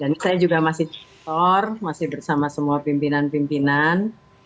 dan saya juga masih diitor masih bersama semua pimpinan pimpinan